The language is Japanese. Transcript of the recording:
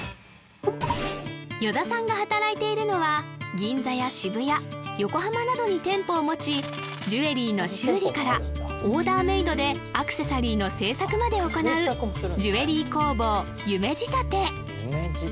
依田さんが働いているのは銀座や渋谷横浜などに店舗を持ちジュエリーの修理からオーダーメイドでアクセサリーの製作まで行うジュエリー工房夢仕立